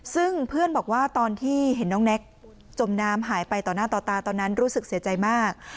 ซึ่งเพื่อนบอกว่าตอนที่เห็นน้องแน็กจมน้ำหายไปต่อหน้าต่อตาตอนนั้นรู้สึกเสียใจมาก